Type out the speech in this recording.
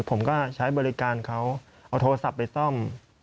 ผมก็ใช้บริการเขาเอาโทรศัพท์ไปซ่อม